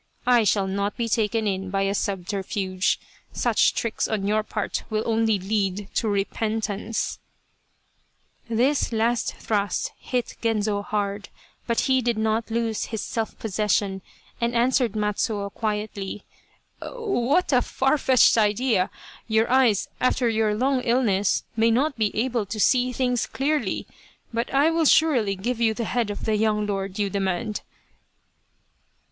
I shall not be taken in by a subterfuge. Such tricks on your part will only lead to repentance !" This last thrust hit Genzo hard, but he did not lose his self possession and answered Matsuo quietly, " What a far fetched idea ! Your eyes, after your long illness, may not be able to see things clearly, but I will surely give you the head of the young lord you demand."